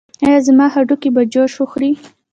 ایا زما هډوکي به جوش وخوري؟